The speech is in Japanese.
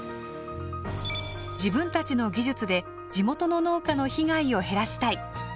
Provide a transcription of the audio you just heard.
自分たちの技術で地元の農家の被害を減らしたい。